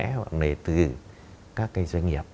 hoặc nề từ các cái doanh nghiệp